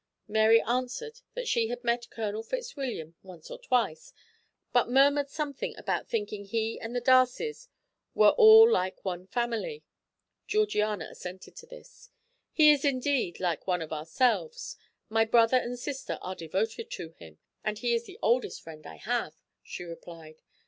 Mary answered that she had met Colonel Fitzwilliam once or twice, but murmured something about thinking he and the Darcys were all like one family. Georgiana assented to this. "He is indeed like one of ourselves; my brother and sister are devoted to him, and he is the oldest friend I have," she replied.